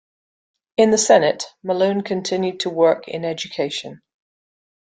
In the Senate, Malone continued to work in education.